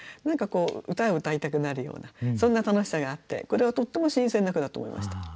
何かこう歌を歌いたくなるようなそんな楽しさがあってこれはとっても新鮮な句だと思いました。